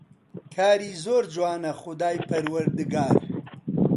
کاری زۆر جوانە خودای پەروەردگار